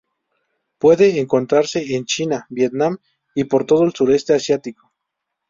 Puede encontrarse en China, Vietnam y por todo el sureste asiático.